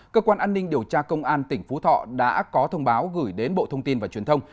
cơ quan an ninh điều tra công an tỉnh phú thọ đã có thông báo gửi đến bộ thông tin và truyền thông